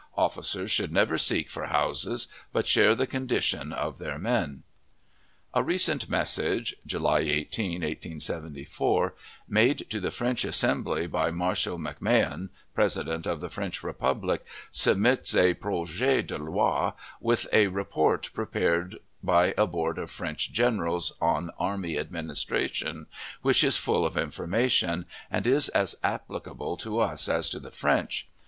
Officers should never seek for houses, but share the condition of their men. A recent message (July 18, 1874) made to the French Assembly by Marshal MacMahon, President of the French Republic, submits a projet de loi, with a report prepared by a board of French generals on "army administration," which is full of information, and is as applicable to us as to the French.